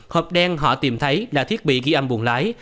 hộp đen họ tìm thấy là thiết bị ghi âm buồn lái